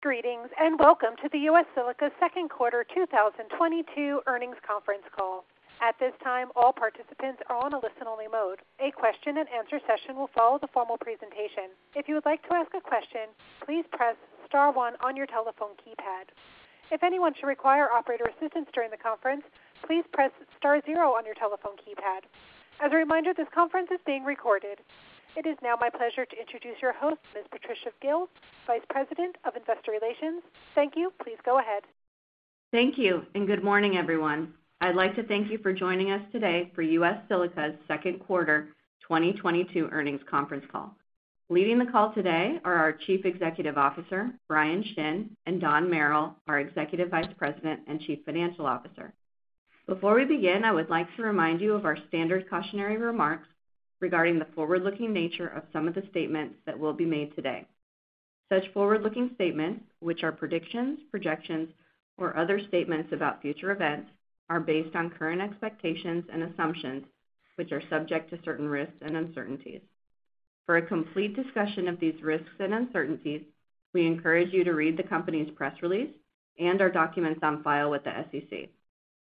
Greetings and welcome to the U.S. Silica Q2 2022 earnings conference call. At this time, all participants are on a listen-only mode. A question-and-answer session will follow the formal presentation. If you would like to ask a question, please press star one on your telephone keypad. If anyone should require operator assistance during the conference, please press star zero on your telephone keypad. As a reminder, this conference is being recorded. It is now my pleasure to introduce your host, Ms. Patricia Gil, Vice President of Investor Relations. Thank you. Please go ahead. Thank you and good morning, everyone. I'd like to thank you for joining us today for U.S. Silica's Q2 2022 earnings conference call. Leading the call today are our Chief Executive Officer Bryan Shinn and Don Merrill our Executive Vice President and Chief Financial Officer. Before we begin, I would like to remind you of our standard cautionary remarks regarding the forward-looking nature of some of the statements that will be made today. Such forward-looking statements, which are predictions, projections, or other statements about future events, are based on current expectations and assumptions, which are subject to certain risks and uncertainties. For a complete discussion of these risks and uncertainties, we encourage you to read the company's press release and our documents on file with the SEC.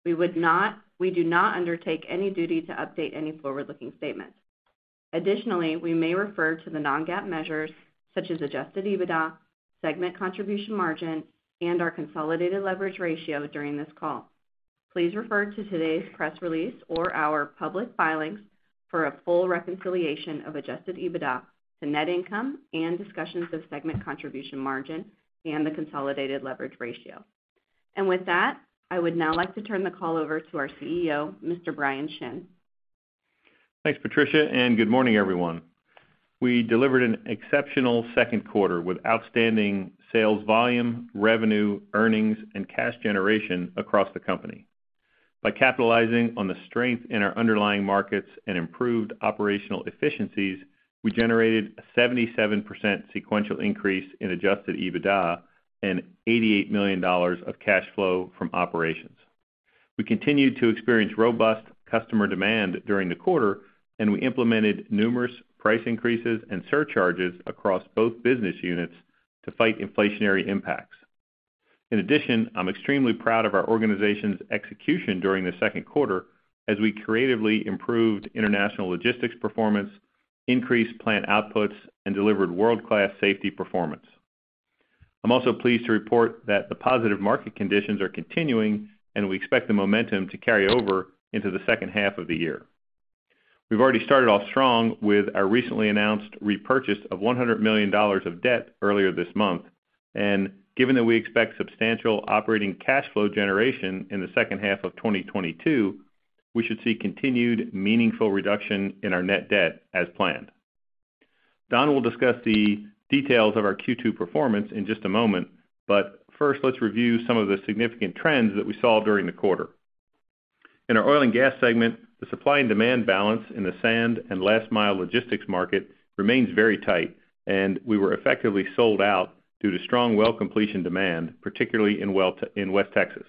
We do not undertake any duty to update any forward-looking statements. Additionally, we may refer to the non-GAAP measures such as Adjusted EBITDA, segment contribution margin, and our consolidated leverage ratio during this call. Please refer to today's press release or our public filings for a full reconciliation of Adjusted EBITDA to net income and discussions of segment contribution margin and the consolidated leverage ratio. With that, I would now like to turn the call over to our CEO, Mr. Bryan Shinn. Thanks, Patricia, and Good Morning everyone. We delivered an exceptional second quarter with outstanding sales volume, revenue, earnings, and cash generation across the company. By capitalizing on the strength in our underlying markets and improved operational efficiencies, we generated a 77% sequential increase in Adjusted EBITDA and $88 million of cash flow from operations. We continued to experience robust customer demand during the quarter, and we implemented numerous price increases and surcharges across both business units to fight inflationary impacts. In addition, I'm extremely proud of our organization's execution during the second quarter as we creatively improved international logistics performance, increased plant outputs, and delivered world-class safety performance. I'm also pleased to report that the positive market conditions are continuing, and we expect the momentum to carry over into the second half of the year. We've already started off strong with our recently announced repurchase of $100 million of debt earlier this month. Given that we expect substantial operating cash flow generation in the second half of 2022, we should see continued meaningful reduction in our net debt as planned. Don will discuss the details of our Q2 performance in just a moment, but first, let's review some of the significant trends that we saw during the quarter. In our Oil and Gas segment, the supply and demand balance in the sand and last mile logistics market remains very tight, and we were effectively sold out due to strong well completion demand, particularly in West Texas.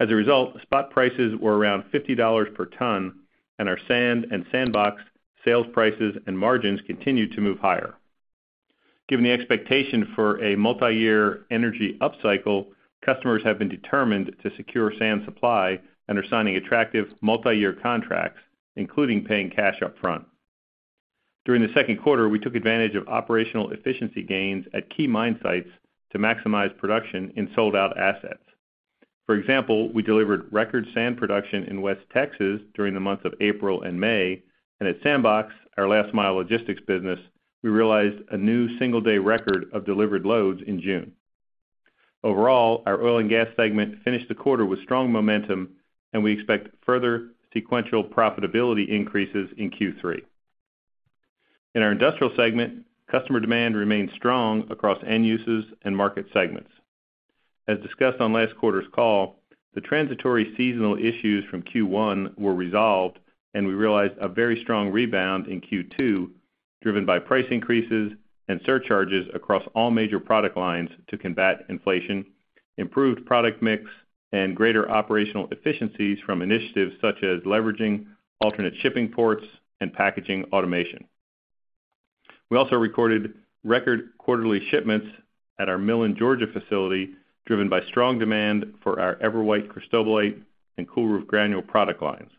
As a result, spot prices were around $50 per ton, and our sand and SandBox sales prices and margins continued to move higher. Given the expectation for a multi-year energy upcycle, customers have been determined to secure sand supply and are signing attractive multi-year contracts, including paying cash up front. During the second quarter, we took advantage of operational efficiency gains at key mine sites to maximize production in sold-out assets. For example, we delivered record sand production in West Texas during the months of April and May. At SandBox, our last mile logistics business, we realized a new single-day record of delivered loads in June. Overall, our Oil and Gas segment finished the quarter with strong momentum, and we expect further sequential profitability increases in Q3. In our Industrial segment, customer demand remains strong across end uses and market segments. As discussed on last quarter's call, the transitory seasonal issues from Q1 were resolved, and we realized a very strong rebound in Q2, driven by price increases and surcharges across all major product lines to combat inflation, improved product mix, and greater operational efficiencies from initiatives such as leveraging alternate shipping ports and packaging automation. We also recorded record quarterly shipments at our Millen, Georgia facility, driven by strong demand for our EverWhite cristobalite and cool roof granule product lines.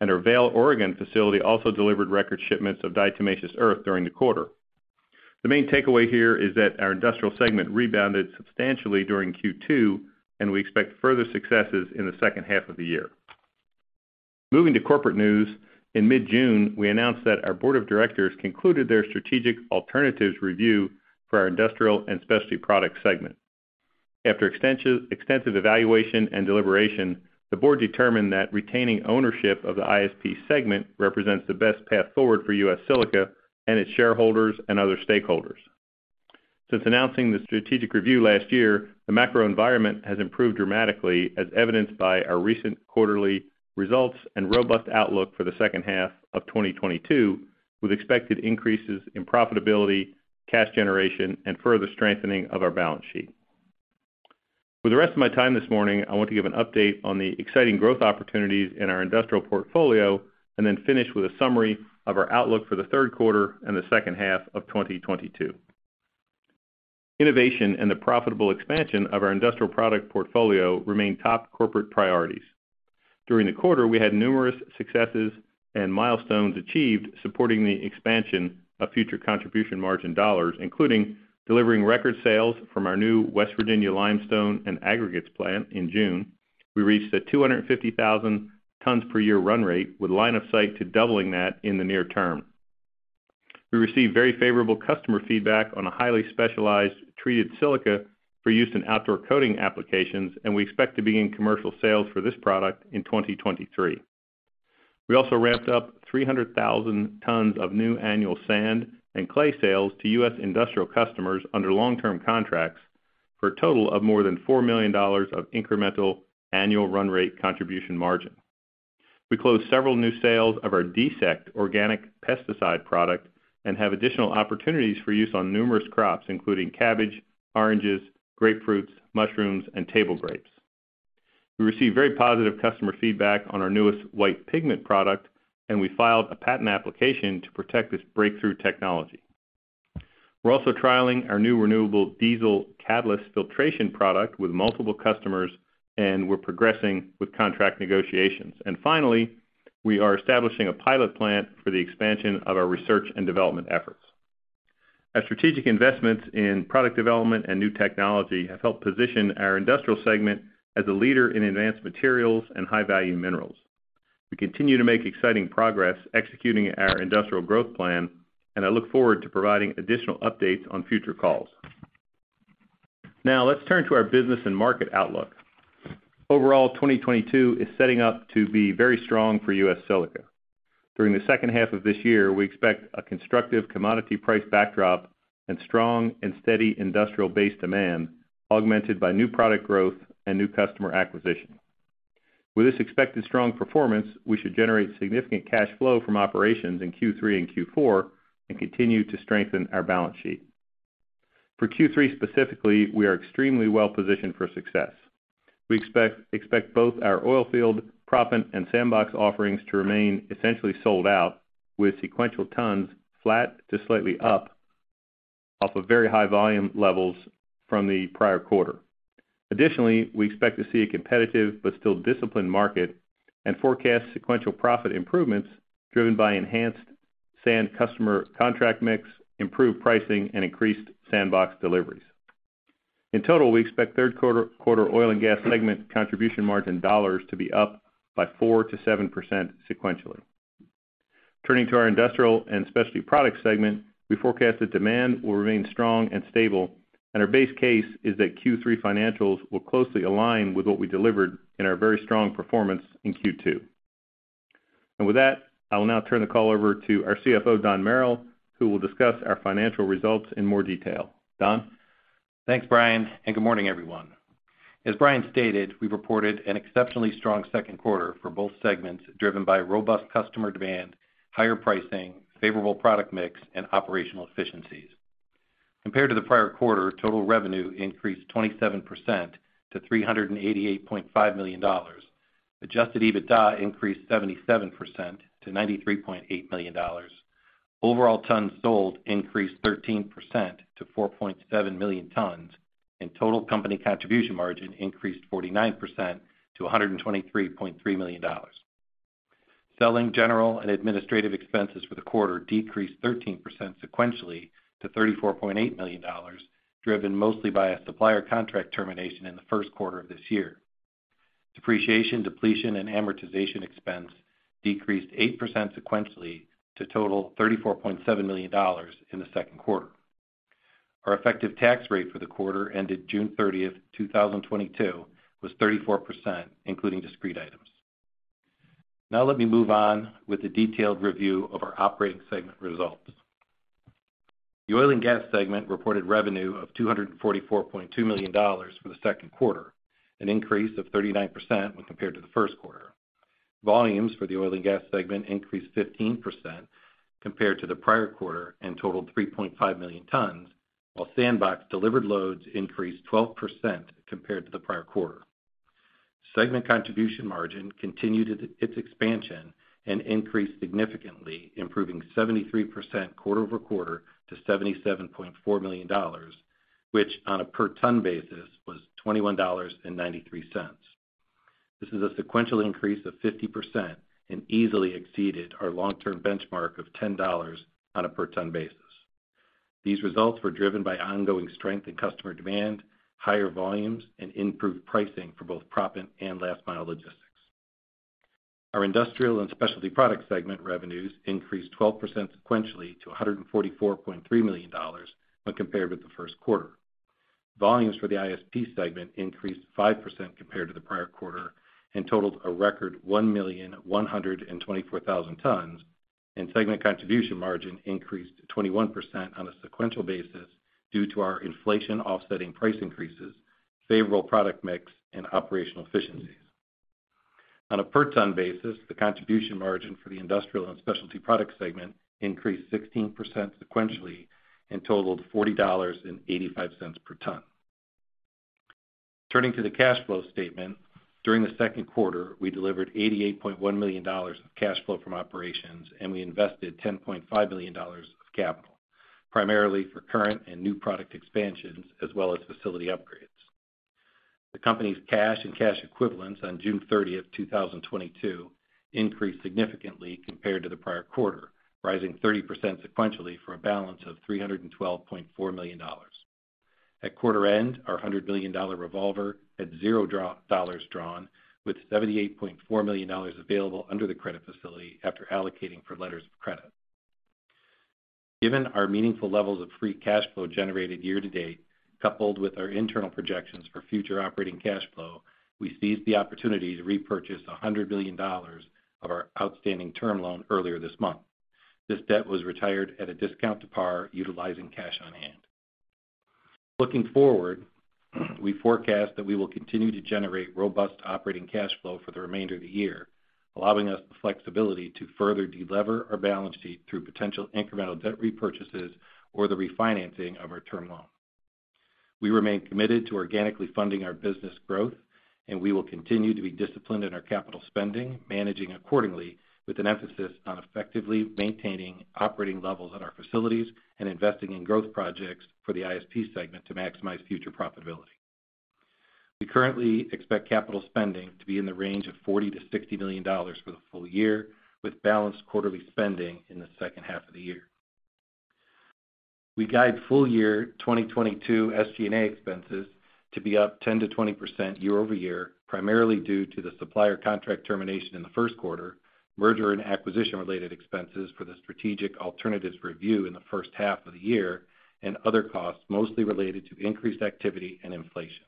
Our Vale, Oregon facility also delivered record shipments of diatomaceous earth during the quarter. The main takeaway here is that our industrial segment rebounded substantially during Q2, and we expect further successes in the second half of the year. Moving to corporate news, in mid-June, we announced that our board of directors concluded their strategic alternatives review for our industrial and specialty products segment. After extensive evaluation and deliberation, the board determined that retaining ownership of the ISP segment represents the best path forward for U.S. Silica and its shareholders and other stakeholders. Since announcing the strategic review last year, the macro environment has improved dramatically as evidenced by our recent quarterly results and robust outlook for the second half of 2022, with expected increases in profitability, cash generation, and further strengthening of our balance sheet. For the rest of my time this morning, I want to give an update on the exciting growth opportunities in our industrial portfolio, and then finish with a summary of our outlook for the third quarter and the second half of 2022. Innovation and the profitable expansion of our industrial product portfolio remain top corporate priorities. During the quarter, we had numerous successes and milestones achieved supporting the expansion of future contribution margin dollars, including delivering record sales from our new West Virginia limestone and aggregates plant in June. We reached a 250,000 tons per year run rate with line of sight to doubling that in the near term. We received very favorable customer feedback on a highly specialized treated silica for use in outdoor coating applications, and we expect to begin commercial sales for this product in 2023. We also ramped up 300,000 tons of new annual sand and clay sales to U.S. industrial customers under long-term contracts for a total of more than $4 million of incremental annual run rate contribution margin. We closed several new sales of our DEsect organic pesticide product and have additional opportunities for use on numerous crops, including cabbage, oranges, grapefruits, mushrooms, and table grapes. We received very positive customer feedback on our newest white pigment product, and we filed a patent application to protect this breakthrough technology. We're also trialing our new renewable diesel catalyst filtration product with multiple customers, and we're progressing with contract negotiations. Finally, we are establishing a pilot plant for the expansion of our research and development efforts. Our strategic investments in product development and new technology have helped position our industrial segment as a leader in advanced materials and high-value minerals. We continue to make exciting progress executing our industrial growth plan, and I look forward to providing additional updates on future calls. Now let's turn to our business and market outlook. Overall, 2022 is setting up to be very strong for U.S. Silica. During the second half of this year, we expect a constructive commodity price backdrop and strong and steady industrial base demand, augmented by new product growth and new customer acquisition. With this expected strong performance, we should generate significant cash flow from operations in Q3 and Q4 and continue to strengthen our balance sheet. For Q3 specifically, we are extremely well positioned for success. We expect both our oilfield proppant and SandBox offerings to remain essentially sold out, with sequential tons flat to slightly up, off of very high volume levels from the prior quarter. Additionally, we expect to see a competitive but still disciplined market and forecast sequential profit improvements driven by enhanced sand customer contract mix, improved pricing, and increased SandBox deliveries. In total, we expect third quarter Oil and Gas segment contribution margin dollars to be up by 4%-7% sequentially. Turning to our Industrial and Specialty Products segment, we forecast that demand will remain strong and stable, and our base case is that Q3 financials will closely align with what we delivered in our very strong performance in Q2. With that, I will now turn the call over to our CFO, Don Merril, who will discuss our financial results in more detail. Don? Thanks, Bryan, and good morning, everyone. As Bryan stated, we reported an exceptionally strong second quarter for both segments, driven by robust customer demand, higher pricing, favorable product mix, and operational efficiencies. Compared to the prior quarter, total revenue increased 27% to $388.5 million. Adjusted EBITDA increased 77% to $93.8 million. Overall tons sold increased 13% to 4.7 million tons, and total company contribution margin increased 49% to $123.3 million. Selling, general and administrative expenses for the quarter decreased 13% sequentially to $34.8 million, driven mostly by a supplier contract termination in the first quarter of this year. Depreciation, depletion, and amortization expense decreased 8% sequentially to total $34.7 million in the second quarter. Our effective tax rate for the quarter ended June thirtieth, two thousand twenty-two, was 34%, including discrete items. Now let me move on with a detailed review of our operating segment results. The Oil and Gas segment reported revenue of $244.2 million for the second quarter, an increase of 39% when compared to the first quarter. Volumes for the Oil and Gas segment increased 15% compared to the prior quarter and totaled 3.5 million tons, while SandBox delivered loads increased 12% compared to the prior quarter. Segment contribution margin continued its expansion and increased significantly, improving 73% quarter-over-quarter to $77.4 million, which on a per ton basis was $21.93. This is a sequential increase of 50% and easily exceeded our long-term benchmark of $10 on a per ton basis. These results were driven by ongoing strength in customer demand, higher volumes, and improved pricing for both proppant and last-mile logistics. Our Industrial and Specialty Products segment revenues increased 12% sequentially to $144.3 million when compared with the first quarter. Volumes for the ISP segment increased 5% compared to the prior quarter and totaled a record 1,124,000 tons, and segment contribution margin increased 21% on a sequential basis due to our inflation offsetting price increases, favorable product mix, and operational efficiencies. On a per ton basis, the contribution margin for the Industrial and Specialty Products segment increased 16% sequentially and totaled $40.85 per ton. Turning to the cash flow statement. During the second quarter, we delivered $88.1 million of cash flow from operations, and we invested $10.5 million of capital, primarily for current and new product expansions as well as facility upgrades. The company's cash and cash equivalents on June 30, 2022 increased significantly compared to the prior quarter, rising 30% sequentially for a balance of $312.4 million. At quarter end, our $100 million revolver had $0 drawn with $78.4 million available under the credit facility after allocating for letters of credit. Given our meaningful levels of free cash flow generated year to date, coupled with our internal projections for future operating cash flow, we seized the opportunity to repurchase $100 million of our outstanding term loan earlier this month. This debt was retired at a discount to par utilizing cash on hand. Looking forward, we forecast that we will continue to generate robust operating cash flow for the remainder of the year, allowing us the flexibility to further delever our balance sheet through potential incremental debt repurchases or the refinancing of our term loan. We remain committed to organically funding our business growth, and we will continue to be disciplined in our capital spending, managing accordingly with an emphasis on effectively maintaining operating levels at our facilities and investing in growth projects for the ISP segment to maximize future profitability. We currently expect capital spending to be in the range of $40 million-$60 million for the full year, with balanced quarterly spending in the second half of the year. We guide full year 2022 SG&A expenses to be up 10%-20% year-over-year, primarily due to the supplier contract termination in the first quarter, merger and acquisition related expenses for the strategic alternatives review in the first half of the year, and other costs mostly related to increased activity and inflation.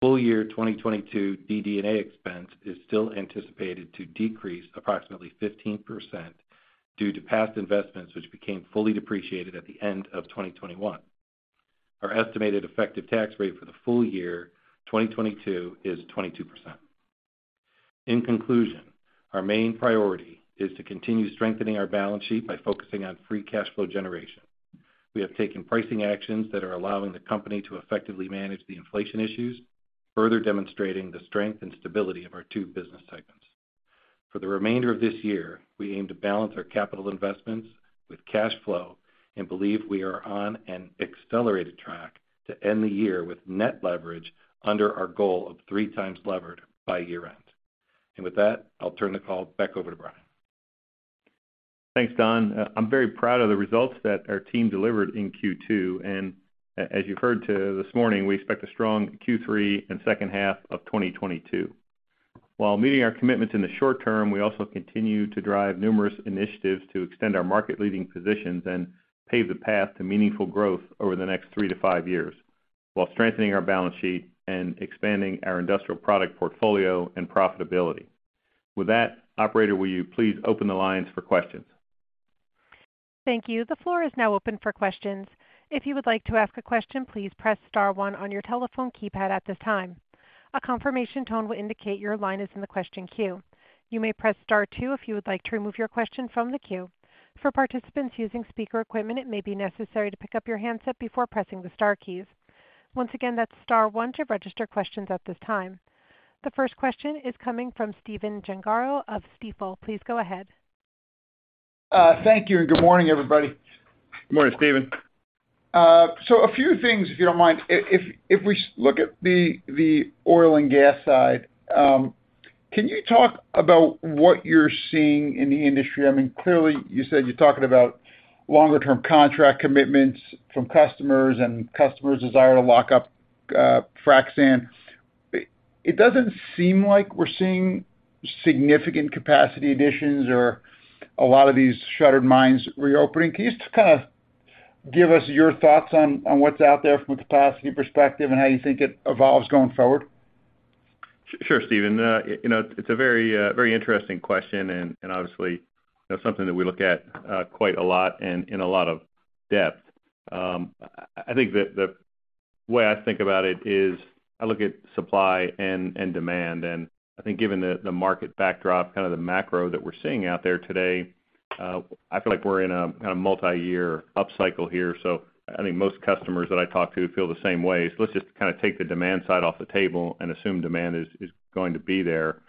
Full year 2022 DD&A expense is still anticipated to decrease approximately 15% due to past investments, which became fully depreciated at the end of 2021. Our estimated effective tax rate for the full year 2022 is 22%. In conclusion, our main priority is to continue strengthening our balance sheet by focusing on free cash flow generation. We have taken pricing actions that are allowing the company to effectively manage the inflation issues, further demonstrating the strength and stability of our two business segments. For the remainder of this year, we aim to balance our capital investments with cash flow and believe we are on an accelerated track to end the year with net leverage under our goal of 3x by year-end. With that, I'll turn the call back over to Bryan. Thanks, Don. I'm very proud of the results that our team delivered in Q2. As you heard this morning, we expect a strong Q3 and second half of 2022. While meeting our commitments in the short term, we also continue to drive numerous initiatives to extend our market leading positions and pave the path to meaningful growth over the next three to five years, while strengthening our balance sheet and expanding our industrial product portfolio and profitability. With that, operator, will you please open the lines for questions? Thank you. The floor is now open for questions. If you would like to ask a question, please press star one on your telephone keypad at this time. A confirmation tone will indicate your line is in the question queue. You may press star two if you would like to remove your question from the queue. For participants using speaker equipment, it may be necessary to pick up your handset before pressing the star keys. Once again, that's star one to register questions at this time. The first question is coming from Stephen Gengaro of Stifel. Please go ahead. Thank you, and good morning, everybody. Good morning, Stephen. A few things, if you don't mind. If we look at the oil and gas side, can you talk about what you're seeing in the industry? I mean, clearly, you said you're talking about longer term contract commitments from customers and customers' desire to lock up frac sand. It doesn't seem like we're seeing significant capacity additions or a lot of these shuttered mines reopening. Can you just kinda give us your thoughts on what's out there from a capacity perspective and how you think it evolves going forward? Sure, Stephen. You know, it's a very interesting question and obviously, you know, something that we look at quite a lot and in a lot of depth. I think the way I think about it is I look at supply and demand. I think given the market backdrop, kind of the macro that we're seeing out there today, I feel like we're in a kind of multi-year upcycle here. I think most customers that I talk to feel the same way. Let's just kind of take the demand side off the table and assume demand is going to be there.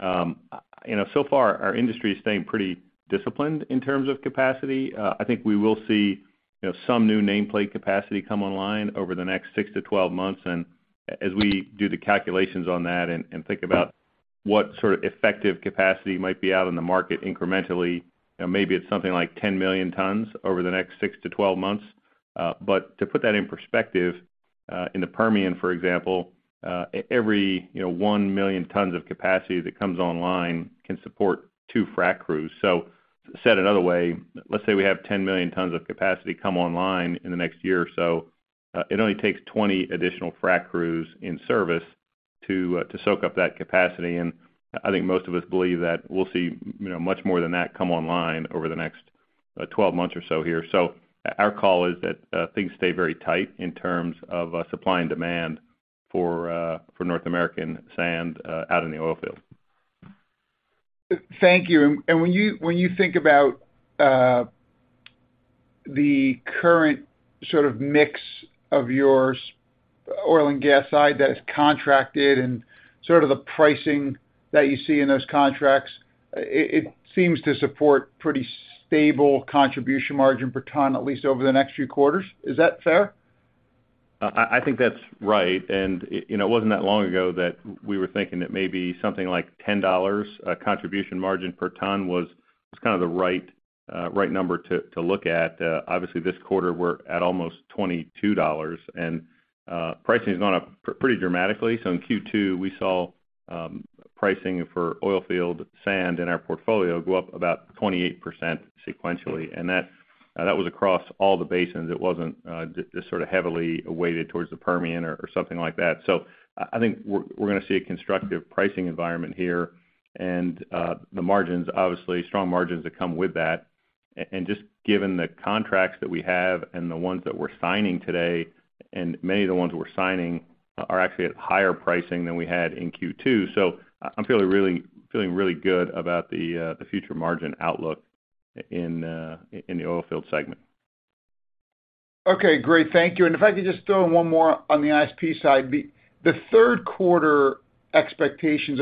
So far our industry is staying pretty disciplined in terms of capacity. I think we will see, you know, some new nameplate capacity come online over the next 6 to 12 months. As we do the calculations on that and think about what sort of effective capacity might be out in the market incrementally, you know, maybe it's something like 10 million tons over the next 6 to 12 months. To put that in perspective, in the Permian, for example, every, you know, 1 million tons of capacity that comes online can support 2 frac crews. Said another way, let's say we have 10 million tons of capacity come online in the next year or so, it only takes 20 additional frac crews in service to soak up that capacity. I think most of us believe that we'll see, you know, much more than that come online over the next 12 months or so here. Our call is that things stay very tight in terms of supply and demand for North American sand out in the oil field. Thank you. When you think about the current sort of mix of your oil and gas side that is contracted and sort of the pricing that you see in those contracts, it seems to support pretty stable contribution margin per ton, at least over the next few quarters. Is that fair? I think that's right. You know, it wasn't that long ago that we were thinking that maybe something like $10 contribution margin per ton was kind of the right number to look at. Obviously, this quarter we're at almost $22, and pricing has gone up pretty dramatically. In Q2, we saw pricing for oil field sand in our portfolio go up about 28% sequentially. That was across all the basins. It wasn't just sort of heavily weighted towards the Permian or something like that. I think we're gonna see a constructive pricing environment here and the margins, obviously strong margins that come with that. Just given the contracts that we have and the ones that we're signing today, and many of the ones we're signing are actually at higher pricing than we had in Q2. I'm feeling really good about the future margin outlook in the Oil and Gas segment. Okay, great. Thank you. If I could just throw in one more on the ISP side. The third quarter expectations,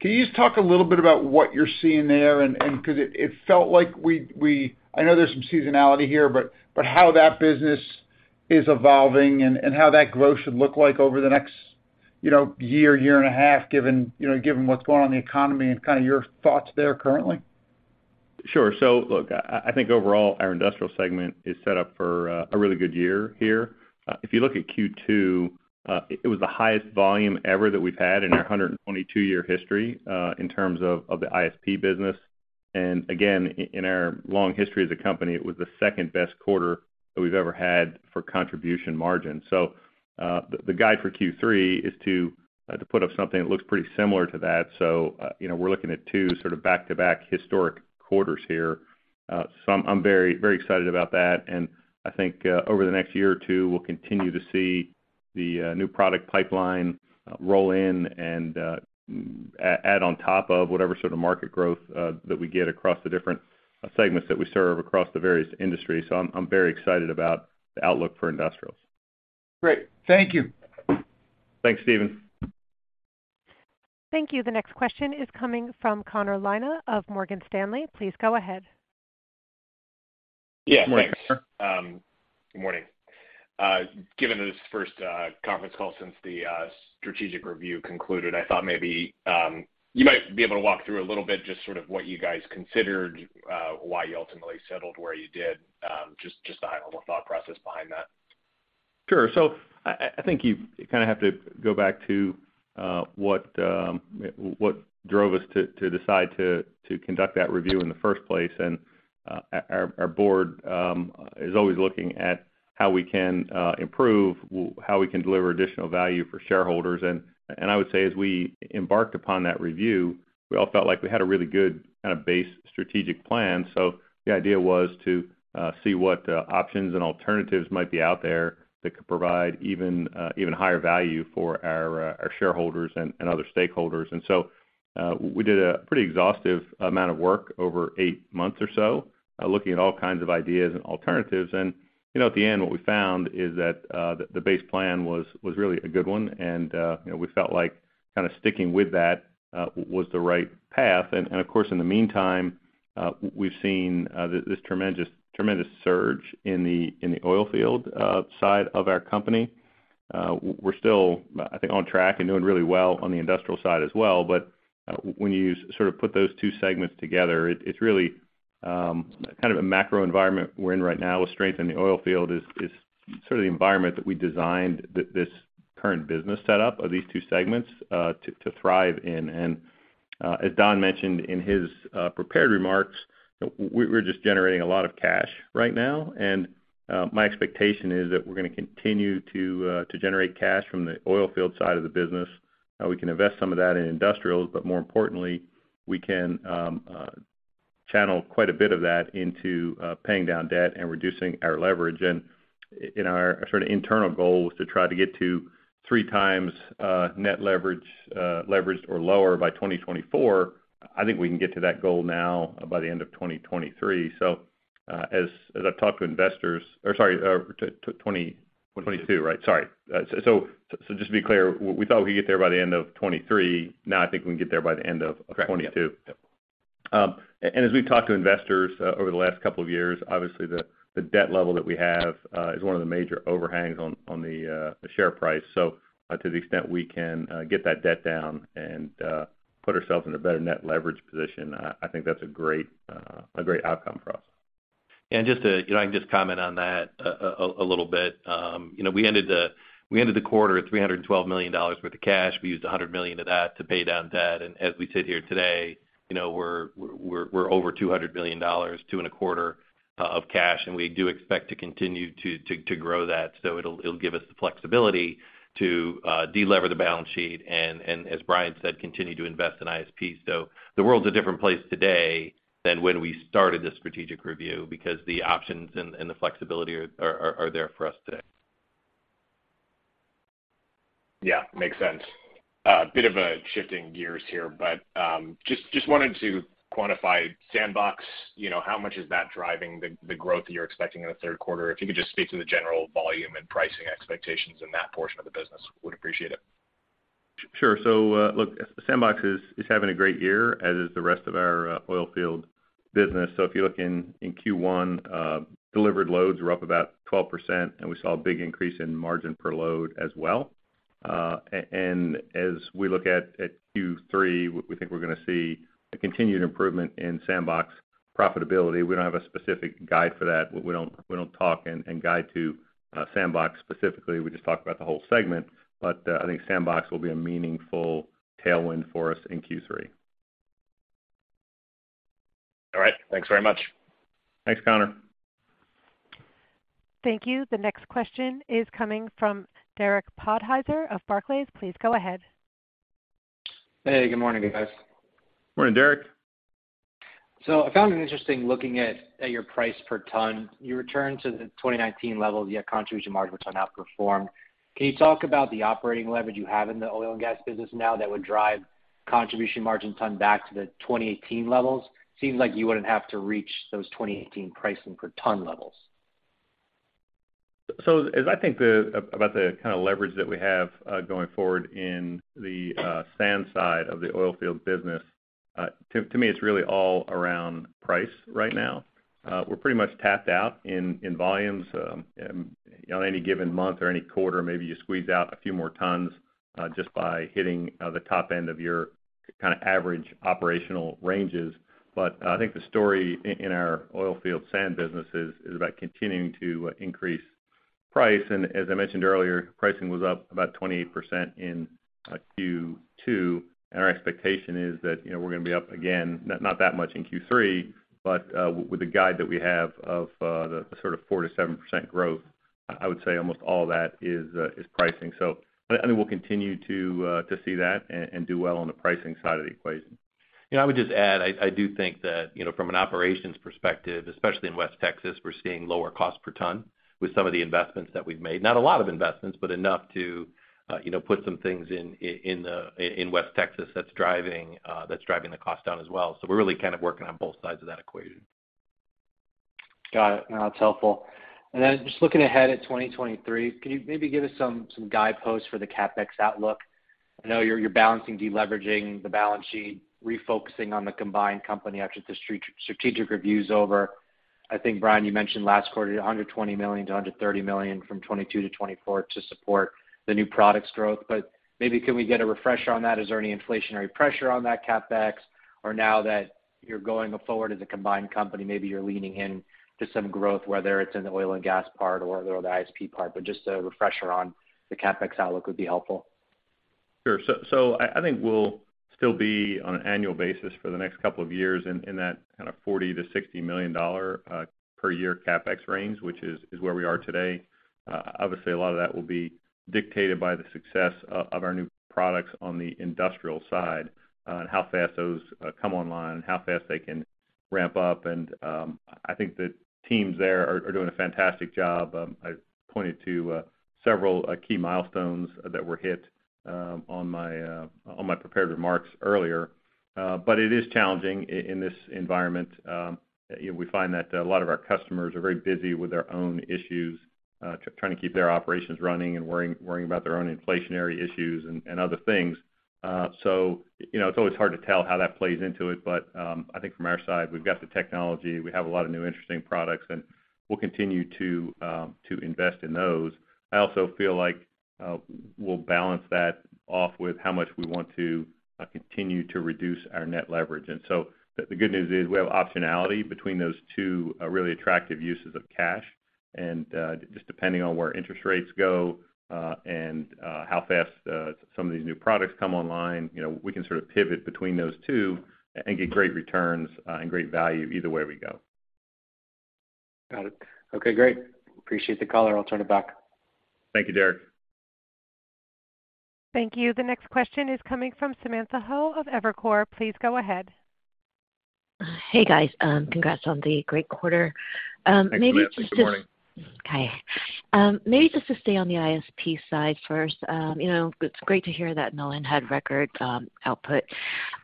can you just talk a little bit about what you're seeing there? Because it felt like I know there's some seasonality here, but how that business is evolving and how that growth should look like over the next, you know, year and a half, given, you know, given what's going on in the economy and kind of your thoughts there currently. Sure. Look, I think overall our industrial segment is set up for a really good year here. If you look at Q2, it was the highest volume ever that we've had in our 122-year history in terms of the ISP business. Again, in our long history as a company, it was the second-best quarter that we've ever had for contribution margin. The guide for Q3 is to put up something that looks pretty similar to that. You know, we're looking at two sort of back-to-back historic quarters here. I'm very excited about that. I think over the next year or two, we'll continue to see the new product pipeline roll in and add on top of whatever sort of market growth that we get across the different segments that we serve across the various industries. I'm very excited about the outlook for industrials. Great. Thank you. Thanks, Stephen. Thank you. The next question is coming from Connor Lynagh of Morgan Stanley. Please go ahead. Yes, thanks. Morning. Good morning. Given that it's the first conference call since the strategic review concluded, I thought maybe you might be able to walk through a little bit just sort of what you guys considered, why you ultimately settled where you did, just the high-level thought process behind that. Sure. I think you kind of have to go back to what drove us to decide to conduct that review in the first place. Our board is always looking at how we can improve, how we can deliver additional value for shareholders. I would say as we embarked upon that review, we all felt like we had a really good kind of base strategic plan. The idea was to see what options and alternatives might be out there that could provide even higher value for our shareholders and other stakeholders. We did a pretty exhaustive amount of work over eight months or so looking at all kinds of ideas and alternatives. You know, at the end, what we found is that the base plan was really a good one. You know, we felt like kind of sticking with that was the right path. Of course, in the meantime, we've seen this tremendous surge in the oil field side of our company. We're still, I think, on track and doing really well on the industrial side as well. But when you sort of put those two segments together, it's really kind of a macro environment we're in right now with strength in the oil field is sort of the environment that we designed this current business set up of these two segments to thrive in. As Don mentioned in his prepared remarks, we're just generating a lot of cash right now. My expectation is that we're gonna continue to generate cash from the oil field side of the business. We can invest some of that in industrials, but more importantly, we can channel quite a bit of that into paying down debt and reducing our leverage. You know, our sort of internal goal was to try to get to three times net leverage or lower by 2024. I think we can get to that goal now by the end of 2023. As I've talked to investors, or sorry, 2022, right? Sorry. Just to be clear, we thought we could get there by the end of 2023. Now I think we can get there by the end of 2022. Correct. Yep. Yep. As we've talked to investors over the last couple of years, obviously the debt level that we have is one of the major overhangs on the share price. To the extent we can get that debt down and put ourselves in a better net leverage position, I think that's a great outcome for us. Just to, you know, I can just comment on that a little bit. You know, we ended the quarter at $312 million worth of cash. We used $100 million of that to pay down debt. As we sit here today, you know, we're over $200 million, $225 million of cash, and we do expect to continue to grow that. It'll give us the flexibility to delever the balance sheet and as Bryan said, continue to invest in ISP. The world's a different place today than when we started this strategic review because the options and the flexibility are there for us today. Yeah, makes sense. A bit of a shifting gears here, but just wanted to quantify SandBox. You know, how much is that driving the growth that you're expecting in the third quarter? If you could just speak to the general volume and pricing expectations in that portion of the business, would appreciate it. Sure. Look, SandBox is having a great year, as is the rest of our oil field business. If you look in Q1, delivered loads were up about 12%, and we saw a big increase in margin per load as well. And as we look at Q3, we think we're gonna see a continued improvement in SandBox profitability. We don't have a specific guide for that. We don't talk and guide to SandBox specifically. We just talk about the whole segment. I think SandBox will be a meaningful tailwind for us in Q3. All right. Thanks very much. Thanks, Connor. Thank you. The next question is coming from Derek Podhaizer of Barclays. Please go ahead. Hey, good morning, guys. Morning, Derek. I found it interesting looking at your price per ton. You returned to the 2019 levels, yet contribution margin per ton outperformed. Can you talk about the operating leverage you have in the oil and gas business now that would drive contribution margin ton back to the 2018 levels? Seems like you wouldn't have to reach those 2018 pricing per ton levels. As I think about the kinda leverage that we have going forward in the sand side of the oilfields business, to me, it's really all around price right now. We're pretty much tapped out in volumes. You know, on any given month or any quarter, maybe you squeeze out a few more tons just by hitting the top end of your kinda average operational ranges. I think the story in our oilfield sand business is about continuing to increase price. As I mentioned earlier, pricing was up about 28% in Q2. Our expectation is that, you know, we're gonna be up again, not that much in Q3, but with the guide that we have of the sort of 4%-7% growth, I would say almost all that is pricing. So I think we'll continue to see that and do well on the pricing side of the equation. You know, I would just add, I do think that, you know, from an operations perspective, especially in West Texas, we're seeing lower cost per ton with some of the investments that we've made. Not a lot of investments, but enough to, you know, put some things in in West Texas that's driving the cost down as well. We're really kind of working on both sides of that equation. Got it. No, that's helpful. Just looking ahead at 2023, can you maybe give us some guideposts for the CapEx outlook? I know you're balancing deleveraging the balance sheet, refocusing on the combined company after the strategic review's over. I think, Bryan, you mentioned last quarter, $120 million-$130 million from 2022 to 2024 to support the new products growth. Maybe can we get a refresher on that? Is there any inflationary pressure on that CapEx? Or now that you're going forward as a combined company, maybe you're leaning in to some growth, whether it's in the oil and gas part or the ISP part, but just a refresher on the CapEx outlook would be helpful. I think we'll still be on an annual basis for the next couple of years in that kind of $40 million-$60 million per year CapEx range, which is where we are today. Obviously, a lot of that will be dictated by the success of our new products on the industrial side, and how fast those come online and how fast they can ramp up. I think the teams there are doing a fantastic job. I pointed to several key milestones that were hit on my prepared remarks earlier. It is challenging in this environment. You know, we find that a lot of our customers are very busy with their own issues, trying to keep their operations running and worrying about their own inflationary issues and other things. You know, it's always hard to tell how that plays into it. I think from our side, we've got the technology, we have a lot of new interesting products, and we'll continue to invest in those. I also feel like, we'll balance that off with how much we want to continue to reduce our net leverage. The good news is we have optionality between those two really attractive uses of cash. Just depending on where interest rates go and how fast some of these new products come online, you know, we can sort of pivot between those two and get great returns and great value either way we go. Got it. Okay, great. Appreciate the color. I'll turn it back. Thank you, Derek. Thank you. The next question is coming from Samantha Hoh of Evercore. Please go ahead. Hey, guys. Congrats on the great quarter. Maybe just to- Thanks, Samantha. Good morning. Hi. Maybe just to stay on the ISP side first. You know, it's great to hear that Millen had record output.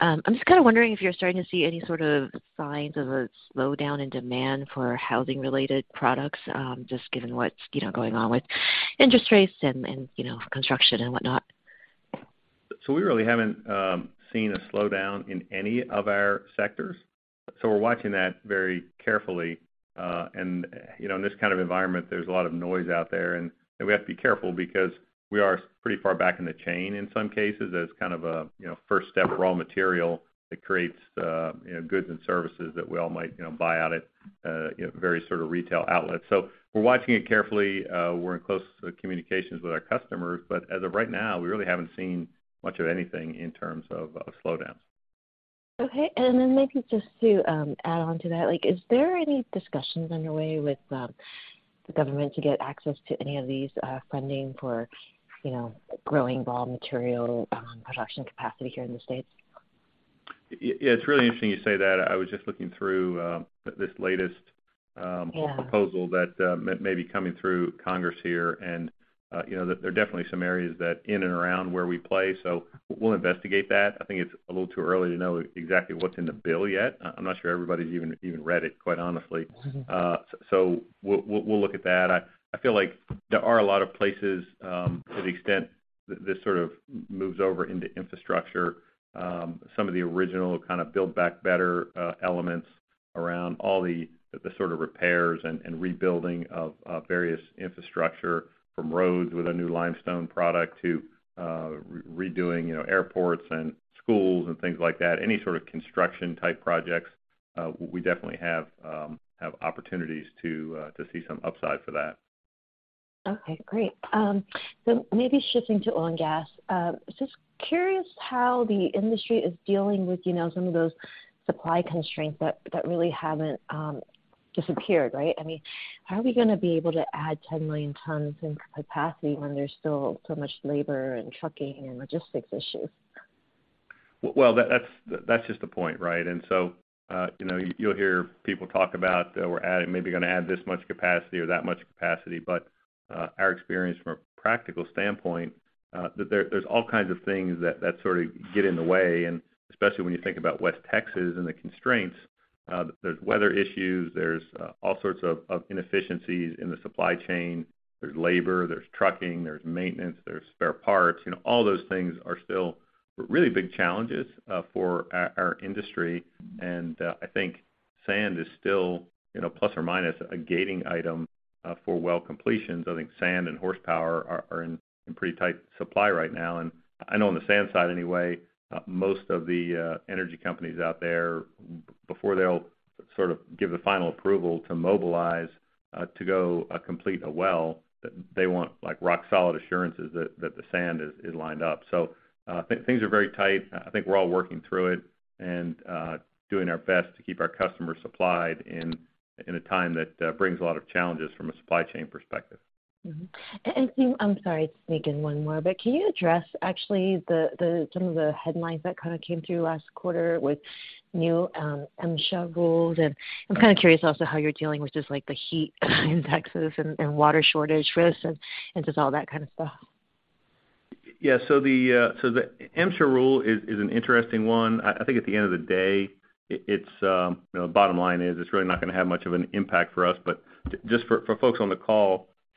I'm just kinda wondering if you're starting to see any sort of signs of a slowdown in demand for housing-related products, just given what's you know, going on with interest rates and you know, construction and whatnot. We really haven't seen a slowdown in any of our sectors, so we're watching that very carefully. You know, in this kind of environment, there's a lot of noise out there, and we have to be careful because we are pretty far back in the chain in some cases as kind of a, you know, first step raw material that creates, you know, goods and services that we all might, you know, buy out at, you know, various sort of retail outlets. We're watching it carefully. We're in close communications with our customers, but as of right now, we really haven't seen much of anything in terms of slowdowns. Okay. Maybe just to add on to that, like, is there any discussions underway with the government to get access to any of these funding for, you know, growing raw material production capacity here in the States? Yeah, it's really interesting you say that. I was just looking through this latest. Yeah Proposal that may be coming through Congress here. You know, there are definitely some areas that in and around where we play, so we'll investigate that. I think it's a little too early to know exactly what's in the bill yet. I'm not sure everybody's even read it, quite honestly. Mm-hmm. We'll look at that. I feel like there are a lot of places to the extent this sort of moves over into infrastructure, some of the original kind of Build Back Better elements around all the sort of repairs and rebuilding of various infrastructure from roads with a new limestone product to redoing, you know, airports and schools and things like that. Any sort of construction type projects we definitely have opportunities to see some upside for that. Okay, great. Maybe shifting to oil and gas. Just curious how the industry is dealing with, you know, some of those supply constraints that really haven't disappeared, right? I mean, how are we gonna be able to add 10 million tons in capacity when there's still so much labor and trucking and logistics issues? Well, that's just the point, right? You know, you'll hear people talk about maybe gonna add this much capacity or that much capacity. Our experience from a practical standpoint, there's all kinds of things that sort of get in the way, and especially when you think about West Texas and the constraints, there's weather issues. There's all sorts of inefficiencies in the supply chain. There's labor, there's trucking, there's maintenance, there's spare parts. You know, all those things are still really big challenges for our industry. I think sand is still, you know, plus or minus, a gating item for well completions. I think sand and horsepower are in pretty tight supply right now. I know on the sand side anyway, most of the energy companies out there, before they'll sort of give the final approval to mobilize to go complete a well, they want, like, rock solid assurances that the sand is lined up. Things are very tight. I think we're all working through it and doing our best to keep our customers supplied in a time that brings a lot of challenges from a supply chain perspective. Mm-hmm. Can you... I'm sorry, just to sneak in one more. Can you address actually some of the headlines that kind of came through last quarter with new MSHA rules? I'm kind of curious also how you're dealing with just like the heat in Texas and water shortage risks and just all that kind of stuff. Yeah. The MSHA rule is an interesting one. I think at the end of the day, you know, bottom line is it's really not gonna have much of an impact for us.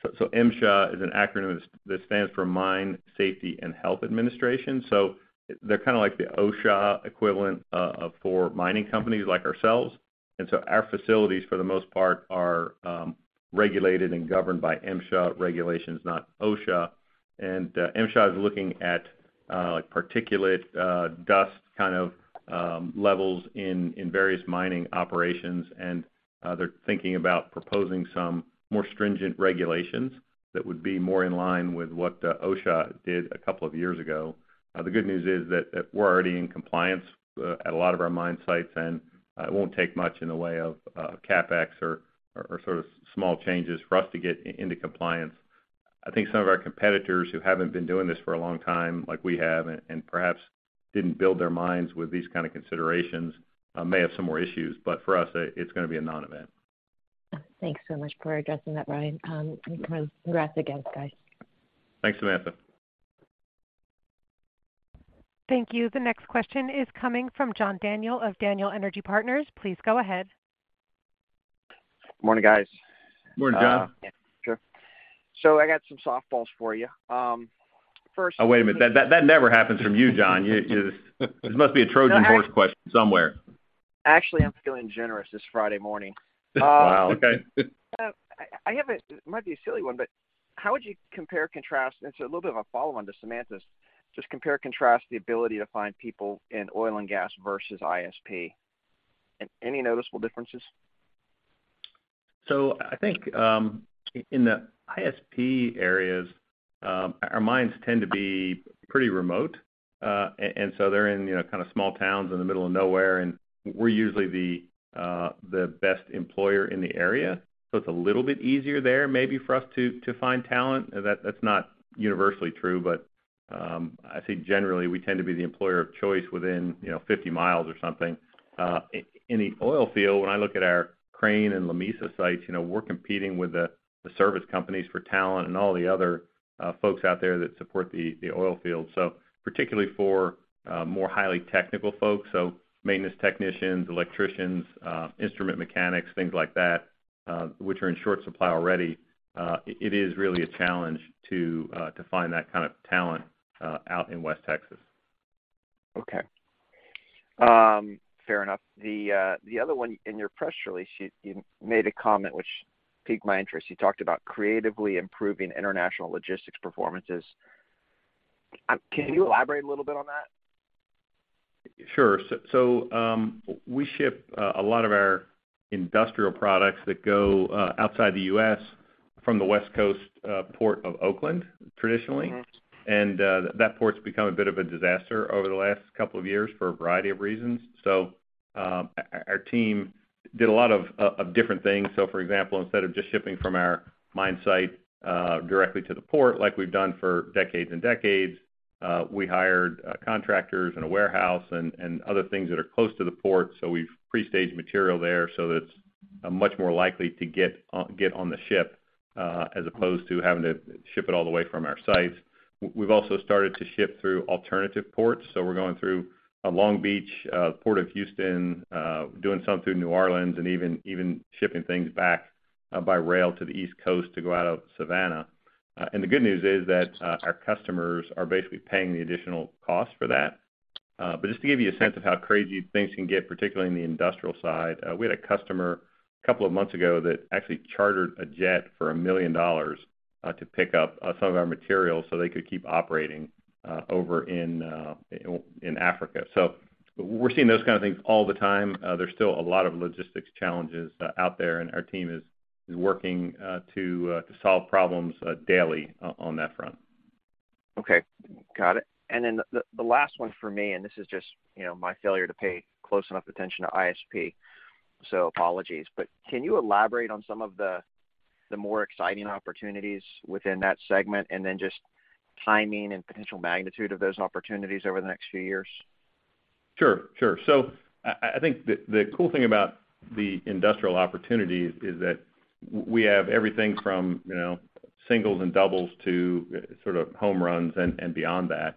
Just for folks on the call, MSHA is an acronym that stands for Mine Safety and Health Administration. They're kinda like the OSHA equivalent for mining companies like ourselves. MSHA is looking at like particulate dust kind of levels in various mining operations. They're thinking about proposing some more stringent regulations that would be more in line with what OSHA did a couple of years ago. The good news is that we're already in compliance at a lot of our mine sites, and it won't take much in the way of CapEx or sort of small changes for us to get into compliance. I think some of our competitors who haven't been doing this for a long time like we have and perhaps didn't build their mines with these kind of considerations may have some more issues. For us, it's gonna be a non-event. Thanks so much for addressing that, Ryan. Congrats again, guys. Thanks, Samantha. Thank you. The next question is coming from John Daniel of Daniel Energy Partners. Please go ahead. Morning, guys. Morning, John. Yeah, sure. I got some softballs for you. First Oh, wait a minute. That never happens from you, John. You, this must be a Trojan horse question somewhere. Actually, I'm feeling generous this Friday morning. Wow, okay. I have a. It might be a silly one, but how would you compare and contrast? It's a little bit of a follow-on to Samantha's. Just compare and contrast the ability to find people in oil and gas versus ISP. Any noticeable differences? I think in the ISP areas our mines tend to be pretty remote. They're in, you know, kind of small towns in the middle of nowhere, and we're usually the best employer in the area. It's a little bit easier there maybe for us to find talent. That's not universally true, but I think generally we tend to be the employer of choice within, you know, 50 miles or something. In the oil field, when I look at our Crane and Lamesa sites, you know, we're competing with the service companies for talent and all the other folks out there that support the oil field. Particularly for more highly technical folks, so maintenance technicians, electricians, instrument mechanics, things like that, which are in short supply already, it is really a challenge to find that kind of talent out in West Texas. Okay. Fair enough. The other one in your press release, you made a comment which piqued my interest. You talked about creatively improving international logistics performances. Can you elaborate a little bit on that? Sure. We ship a lot of our industrial products that go outside the U.S. from the West Coast Port of Oakland traditionally. Mm-hmm. That port's become a bit of a disaster over the last couple of years for a variety of reasons. Our team did a lot of different things. For example, instead of just shipping from our mine site directly to the port like we've done for decades and decades, we hired contractors and a warehouse and other things that are close to the port, so we've pre-staged material there so that it's much more likely to get on the ship as opposed to having to ship it all the way from our sites. We've also started to ship through alternative ports, so we're going through Long Beach, Port of Houston, doing some through New Orleans, and even shipping things back by rail to the East Coast to go out of Savannah. The good news is that our customers are basically paying the additional costs for that. Just to give you a sense of how crazy things can get, particularly in the industrial side, we had a customer a couple of months ago that actually chartered a jet for $1 million to pick up some of our materials so they could keep operating over in Africa. We're seeing those kind of things all the time. There's still a lot of logistics challenges out there, and our team is working to solve problems daily on that front. Okay. Got it. The last one for me, and this is just, you know, my failure to pay close enough attention to ISP, so apologies. Can you elaborate on some of the more exciting opportunities within that segment and then just timing and potential magnitude of those opportunities over the next few years? Sure. I think the cool thing about the industrial opportunities is that we have everything from, you know, singles and doubles to sort of home runs and beyond that.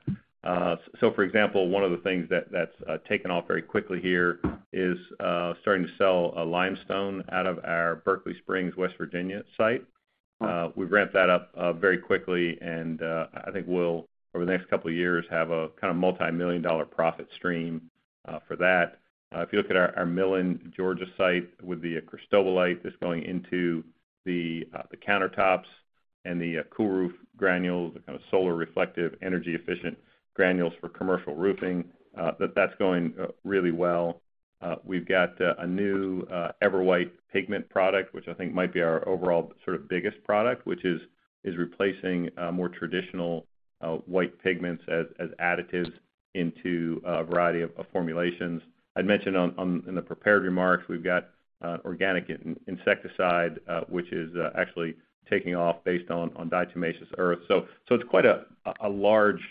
For example, one of the things that's taken off very quickly here is starting to sell Limestone out of our Berkeley Springs, West Virginia site. We've ramped that up very quickly, and I think we'll over the next couple of years have a kind of $multi-million profit stream for that. If you look at our Millen, Georgia site with the cristobalite that's going into the countertops and the cool roof granules, the kind of solar reflective energy efficient granules for commercial roofing, that's going really well. We've got a new EverWhite pigment product, which I think might be our overall sort of biggest product, which is replacing more traditional white pigments as additives into a variety of formulations. I'd mentioned in the prepared remarks, we've got organic insecticide, which is actually taking off based on diatomaceous earth. It's quite a large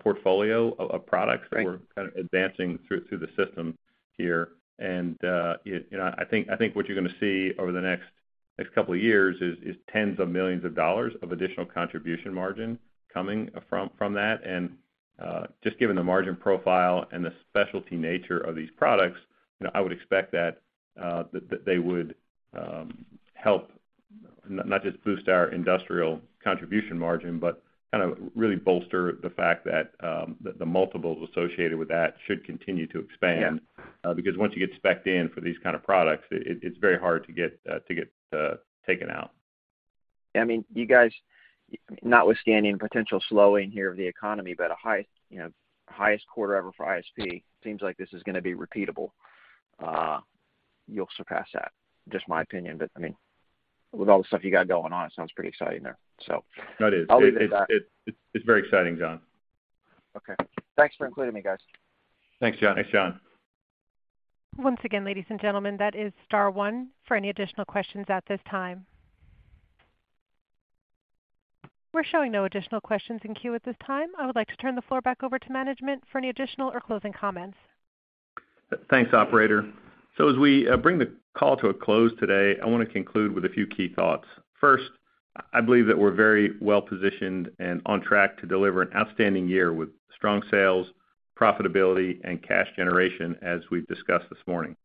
portfolio of products. Great. that we're kind of advancing through the system here. You know, I think what you're gonna see over the next couple of years is $ tens of millions of additional contribution margin coming from that. Just given the margin profile and the specialty nature of these products, you know, I would expect that they would help not just boost our industrial contribution margin but kind of really bolster the fact that the multiples associated with that should continue to expand. Yeah. Because once you get spec'd in for these kind of products, it's very hard to get taken out. I mean, you guys, notwithstanding potential slowing here of the economy, but a high, you know, highest quarter ever for ISP, seems like this is gonna be repeatable. You'll surpass that. Just my opinion, but I mean, with all the stuff you got going on, it sounds pretty exciting there, so. That is. I'll leave it at that. It's very exciting, John. Okay. Thanks for including me, guys. Thanks, John. Thanks, John. Once again, ladies and gentlemen, that is star one for any additional questions at this time. We're showing no additional questions in queue at this time. I would like to turn the floor back over to management for any additional or closing comments. Thanks, operator. So as we bring the call to a close today, I wanna conclude with a few key thoughts. First, I believe that we're very well-positioned and on track to deliver an outstanding year with strong sales, profitability, and cash generation as we've discussed this morning.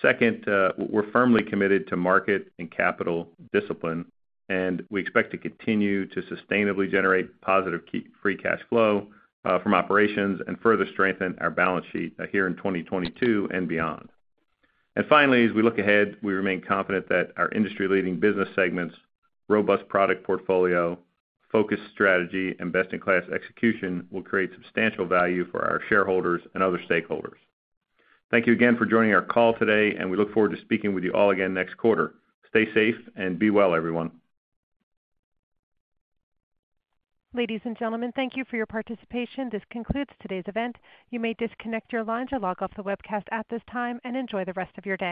Second, we're firmly committed to market and capital discipline, and we expect to continue to sustainably generate positive free cash flow from operations and further strengthen our balance sheet here in 2022 and beyond. Finally, as we look ahead, we remain confident that our industry-leading business segments, robust product portfolio, focused strategy, and best-in-class execution will create substantial value for our shareholders and other stakeholders. Thank you again for joining our call today, and we look forward to speaking with you all again next quarter. Stay safe and be well, everyone. Ladies and gentlemen, thank you for your participation. This concludes today's event. You may disconnect your lines or log off the webcast at this time and enjoy the rest of your day.